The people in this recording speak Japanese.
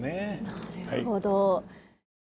なるほど。